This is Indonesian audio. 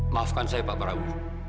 maafkan saya pak prabu